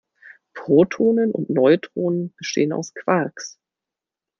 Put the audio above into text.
Protonen und Neutronen bestehen aus Quarks.